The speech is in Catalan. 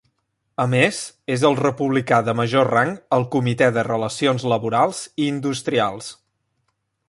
A més, és el republicà de major rang al Comitè de Relacions Laborals i Industrials